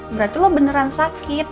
berarti lo beneran sakit